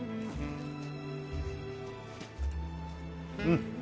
うん。